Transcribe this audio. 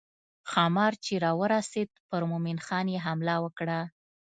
ښامار چې راورسېد پر مومن خان یې حمله وکړه.